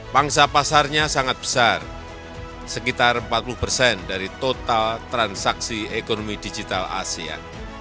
pangsa pasarnya sangat besar sekitar empat puluh persen dari total transaksi ekonomi digital asean